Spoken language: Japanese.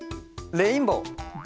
レインボー。